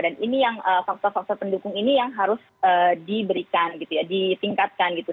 dan ini yang faktor faktor pendukung ini yang harus diberikan gitu ya ditingkatkan gitu